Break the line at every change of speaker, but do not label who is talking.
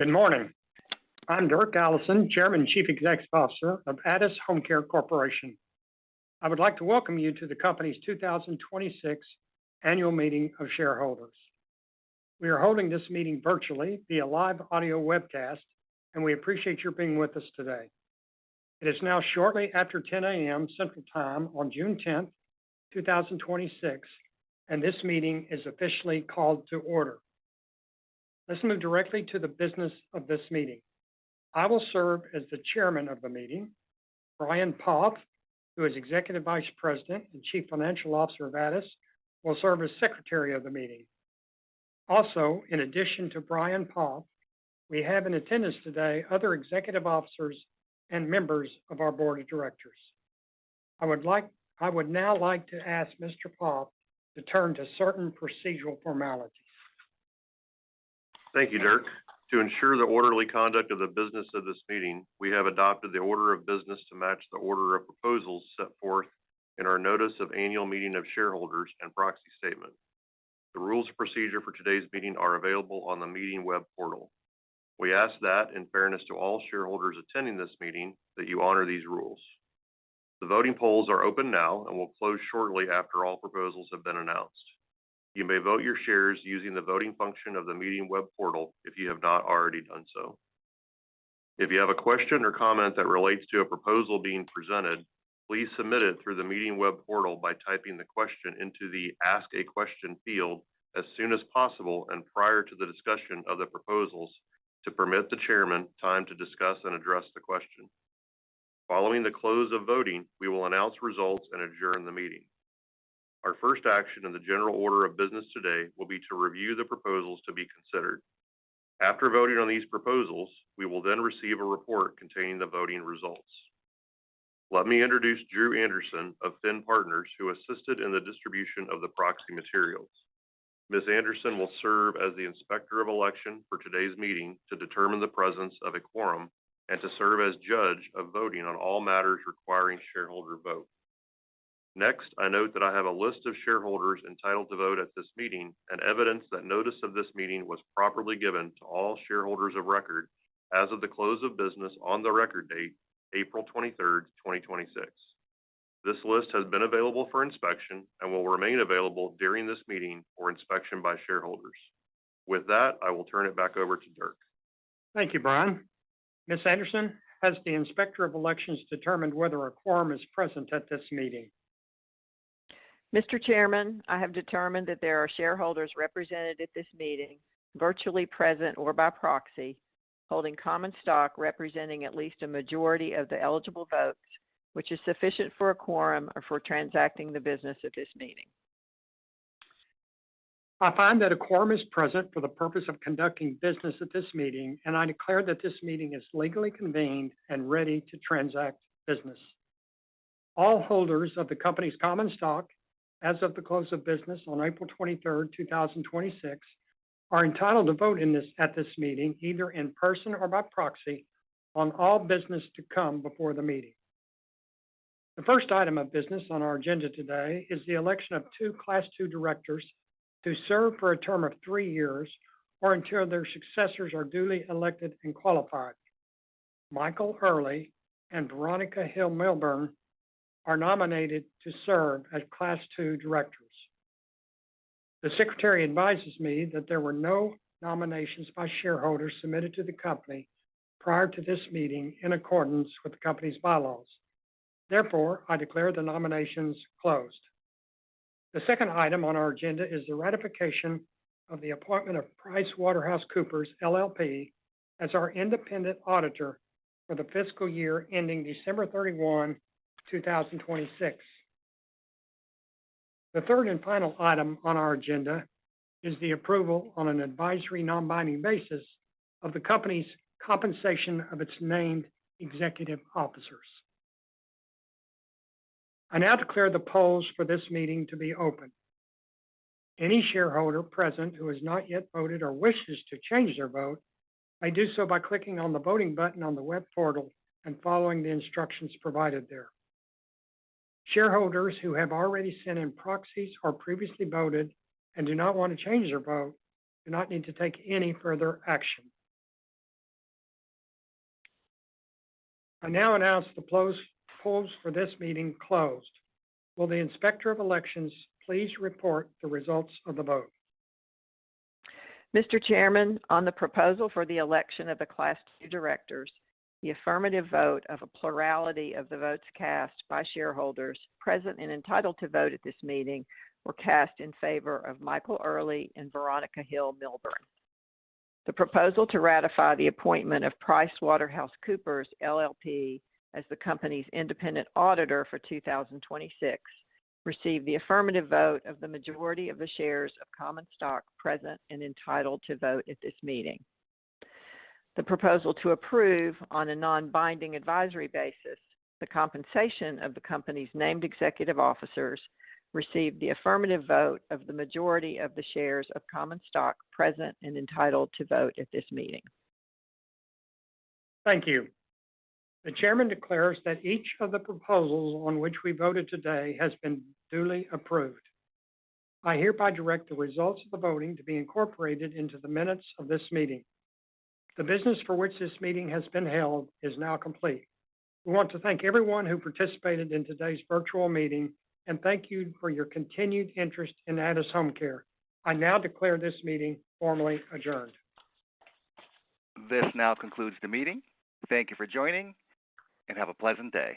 Good morning. I'm Dirk Allison, Chairman and Chief Executive Officer of Addus HomeCare Corporation. I would like to welcome you to the company's 2026 annual meeting of shareholders. We are holding this meeting virtually via live audio webcast, and we appreciate your being with us today. It is now shortly after 10:00 A.M. Central Time on June 10th, 2026, and this meeting is officially called to order. Let's move directly to the business of this meeting. I will serve as the chairman of the meeting. Brian Poff, who is Executive Vice President and Chief Financial Officer of Addus, will serve as secretary of the meeting. Also, in addition to Brian Poff, we have in attendance today other executive officers and members of our Board of Directors. I would now like to ask Mr. Poff to turn to certain procedural formalities.
Thank you, Dirk. To ensure the orderly conduct of the business of this meeting, we have adopted the order of business to match the order of proposals set forth in our notice of annual meeting of shareholders and proxy statement. The rules of procedure for today's meeting are available on the meeting web portal. We ask that, in fairness to all shareholders attending this meeting, that you honor these rules. The voting polls are open now and will close shortly after all proposals have been announced. You may vote your shares using the voting function of the meeting web portal if you have not already done so. If you have a question or comment that relates to a proposal being presented, please submit it through the meeting web portal by typing the question into the Ask a Question field as soon as possible and prior to the discussion of the proposals to permit the chairman time to discuss and address the question. Following the close of voting, we will announce results and adjourn the meeting. Our first action in the general order of business today will be to review the proposals to be considered. After voting on these proposals, we will then receive a report containing the voting results. Let me introduce Dru Anderson of FINN Partners, who assisted in the distribution of the proxy materials. Ms. Anderson will serve as the Inspector of Election for today's meeting to determine the presence of a quorum and to serve as judge of voting on all matters requiring shareholder vote. Next, I note that I have a list of shareholders entitled to vote at this meeting and evidence that notice of this meeting was properly given to all shareholders of record as of the close of business on the record date, April 23rd, 2026. This list has been available for inspection and will remain available during this meeting for inspection by shareholders. With that, I will turn it back over to Dirk.
Thank you, Brian. Ms. Anderson, has the Inspector of Election determined whether a quorum is present at this meeting?
Mr. Chairman, I have determined that there are shareholders represented at this meeting, virtually present or by proxy, holding common stock representing at least a majority of the eligible votes, which is sufficient for a quorum or for transacting the business at this meeting.
I find that a quorum is present for the purpose of conducting business at this meeting, and I declare that this meeting is legally convened and ready to transact business. All holders of the company's common stock as of the close of business on April 23rd, 2026, are entitled to vote at this meeting, either in person or by proxy, on all business to come before the meeting. The first item of business on our agenda today is the election of two Class 2 directors to serve for a term of three years or until their successors are duly elected and qualified. Michael Earley and Veronica Hill-Milbourne are nominated to serve as Class 2 directors. The secretary advises me that there were no nominations by shareholders submitted to the company prior to this meeting in accordance with the company's bylaws. Therefore, I declare the nominations closed. The second item on our agenda is the ratification of the appointment of PricewaterhouseCoopers LLP as our independent auditor for the fiscal year ending December 31, 2026. The third and final item on our agenda is the approval on an advisory, non-binding basis of the company's compensation of its named executive officers. I now declare the polls for this meeting to be open. Any shareholder present who has not yet voted or wishes to change their vote may do so by clicking on the voting button on the web portal and following the instructions provided there. Shareholders who have already sent in proxies or previously voted and do not want to change their vote do not need to take any further action. I now announce the polls for this meeting closed. Will the Inspector of Election please report the results of the vote?
Mr. Chairman, on the proposal for the election of the Class 2 directors, the affirmative vote of a plurality of the votes cast by shareholders present and entitled to vote at this meeting were cast in favor of Michael Earley and Veronica Hill-Milbourne. The proposal to ratify the appointment of PricewaterhouseCoopers LLP as the company's independent auditor for 2026 received the affirmative vote of the majority of the shares of common stock present and entitled to vote at this meeting. The proposal to approve, on a non-binding advisory basis, the compensation of the company's named executive officers received the affirmative vote of the majority of the shares of common stock present and entitled to vote at this meeting.
Thank you. The Chairman declares that each of the proposals on which we voted today has been duly approved. I hereby direct the results of the voting to be incorporated into the minutes of this meeting. The business for which this meeting has been held is now complete. We want to thank everyone who participated in today's virtual meeting, and thank you for your continued interest in Addus HomeCare. I now declare this meeting formally adjourned.
This now concludes the meeting. Thank you for joining, and have a pleasant day.